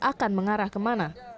akan mengarah ke mana